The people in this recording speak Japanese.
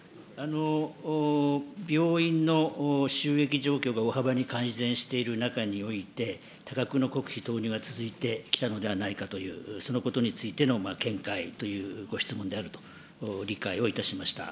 病院の収益状況が大幅に改善している中において、多額の国費投入が続いてきたのではないかという、そのことについての見解というご質問であると理解を致しました。